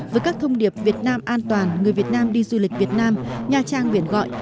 với các thông điệp việt nam an toàn người việt nam đi du lịch việt nam nha trang viện gọi